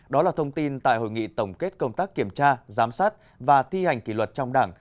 đó là thông tin tại hội nghị tổng kết công tác kiểm tra giám sát và thi hành kỷ luật trong đảng